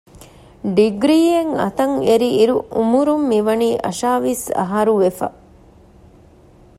ޑިގްރީއެއް އަތަށްއެރި އިރު އުމުރުން މިވަނީ އަށާވީސް އަހަރު ވެފަ